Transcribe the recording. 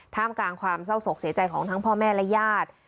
กลางความเศร้าศกเสียใจของทั้งพ่อแม่และญาติ